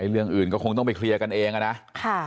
เรื่องอื่นก็คงต้องไปเคลียร์กันเองนะ